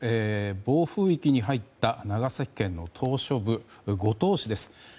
暴風域に入った長崎県の島しょ部五島市です。